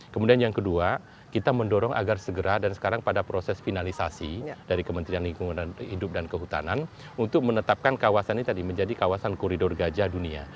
kemudian yang kedua kita mendorong agar segera dan sekarang pada proses finalisasi dari kementerian lingkungan hidup dan kehutanan untuk menetapkan kawasan ini tadi menjadi kawasan koridor gajah dunia